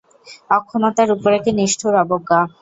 অক্ষমতার উপরে কী নিষ্ঠুর অবজ্ঞা!